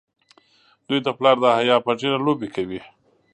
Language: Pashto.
دوی د پلار د حیا په ږیره لوبې کوي.